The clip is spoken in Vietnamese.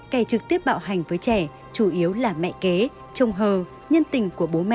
kẻ trực tiếp bạo hành với trẻ chủ yếu là mẹ kế trông hờ nhân tình của bố mẹ